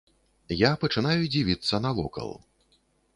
Я пачынаю дзівіцца навокал.